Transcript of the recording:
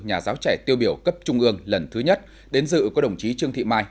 nhà giáo trẻ tiêu biểu cấp trung ương lần thứ nhất đến dự có đồng chí trương thị mai